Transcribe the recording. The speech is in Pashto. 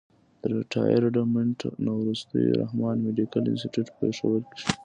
د ريټائرډ منټ نه وروستو رحمان مېډيکل انسټيتيوټ پيښور کښې